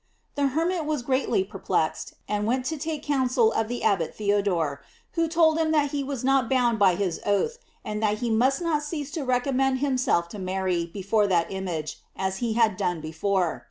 The hermit was greatly perplexed, and went to take counsel of the Abbot Theodore, who told him that he was not bound by his oath, and that he must not cease to recommend himself to Mary before that image, as he had done before.